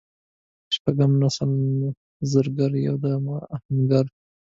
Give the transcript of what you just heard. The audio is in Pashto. شپږم:سل د زرګر یوه د اهنګر